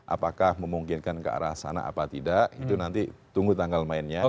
apakah memungkinkan ke arah sana apa tidak itu nanti tunggu tanggal mainnya